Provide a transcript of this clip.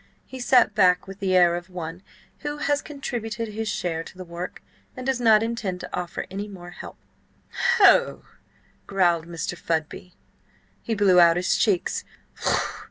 He sat back with the air of one who has contributed his share to the work, and does not intend to offer any more help. "Ho!" growled Mr. Fudby. He blew out his cheeks.